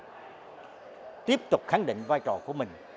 tp hcm tiếp tục khẳng định vai trò của mình